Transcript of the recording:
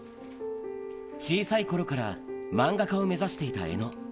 小さいころから、漫画家を目指していた江野。